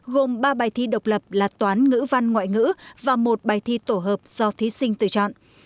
gồm ba bài thi độc lập là toán ngữ văn ngoại ngữ và một bài thi tổ hợp do thí sinh tự chọn